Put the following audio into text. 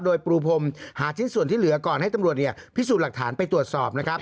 โดยปูพรมหาชิ้นส่วนที่เหลือก่อนให้ตำรวจพิสูจน์หลักฐานไปตรวจสอบนะครับ